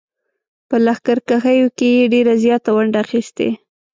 په لښکرکښیو کې یې ډېره زیاته ونډه اخیستې.